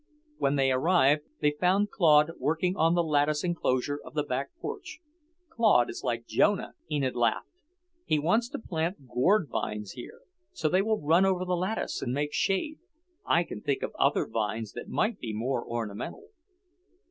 When they arrived they found Claude working on the lattice enclosure of the back porch. "Claude is like Jonah," Enid laughed. "He wants to plant gourd vines here, so they will run over the lattice and make shade. I can think of other vines that might be more ornamental."